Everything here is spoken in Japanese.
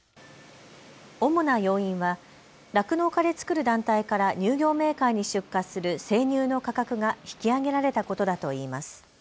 主な要因は酪農家で作る団体から乳業メーカーに出荷する生乳の価格が引き上げられたことだといいます。